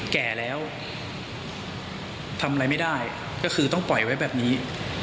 แก่แล้วทำอะไรไม่ได้ก็คือต้องปล่อยไว้แบบนี้